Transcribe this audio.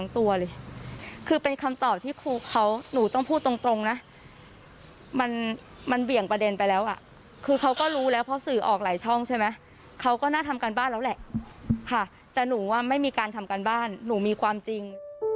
แต่หนูว่าไม่มีการทำการบ้านหนูมีความจริง